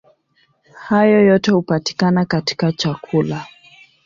Hayo yote hupatikana katika chakula.